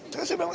saya seperti itu